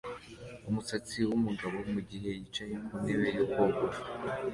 umusatsi wumugabo mugihe yicaye ku ntebe yo kogosha